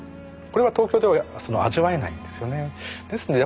これは東京では味わえないんですよね。